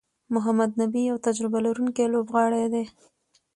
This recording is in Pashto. محمد نبي یو تجربه لرونکی لوبغاړی دئ.